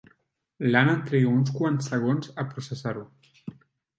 L'Anna triga uns quants segons a processar-ho.